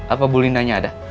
apa bu linda nya ada